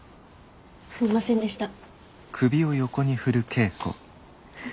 すみませんでした。